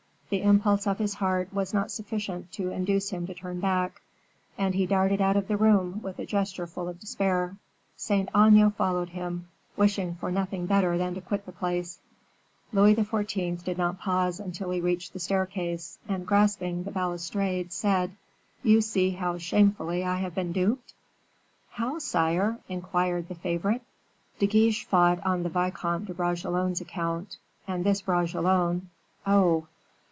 The impulse of his heart was not sufficient to induce him to turn back, and he darted out of the room with a gesture full of despair. Saint Aignan followed him, wishing for nothing better than to quit the place. Louis XIV. did not pause until he reached the staircase, and grasping the balustrade, said: "You see how shamefully I have been duped." "How, sire?" inquired the favorite. "De Guiche fought on the Vicomte de Bragelonne's account, and this Bragelonne... oh!